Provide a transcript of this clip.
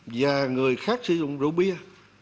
và người khác sử dụng rượu bia